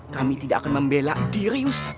kami tidak akan membela diri ustaz